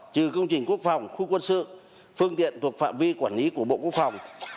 trừ công trình quốc phòng khu quân sự phương tiện thuộc phạm vi quản lý của bộ quốc phòng